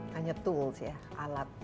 hanya tools ya alat